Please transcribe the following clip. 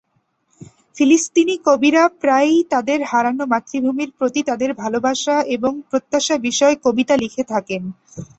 ফিলিস্তিনি কবিরা প্রায়ই তাদের হারানো মাতৃভূমির প্রতি তাদের ভালোবাসা এবং প্রত্যাশা বিষয়ে কবিতা লিখে থাকেন।